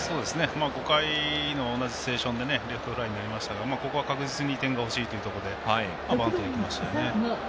５回の同じシチュエーションでレフトフライになりましたからここは確実に点がほしいということでバントできましたよね。